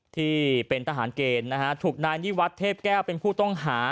ที่เป็นทหารเกณฑ์นะฮะถูกนายนิวัตรเทพแก้วเป็นผู้ต้องหา